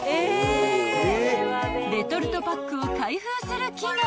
［レトルトパックを開封する機能］